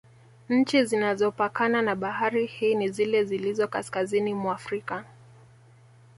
Nchi zinazopakana na bahari hii ni zile zilizo kaskazini Mwa frika